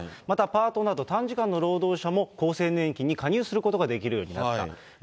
また、パートなど短時間の労働者も厚生年金に加入することができるようになった。